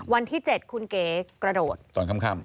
วันที่๗คุณเก๋กระโดดตอนค่ำ